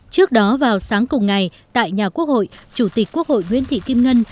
trước đó vào sáng cùng ngày tại nhà quốc hội chủ tịch quốc hội nguyễn thị kim ngân